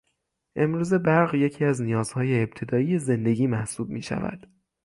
امروزه برق یکی از نیازهای ابتدایی زندگی محسوب میشود.